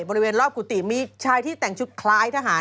บริเวณรอบกุฏิมีชายที่แต่งชุดคล้ายทหาร